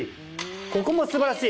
ここも素晴らしい。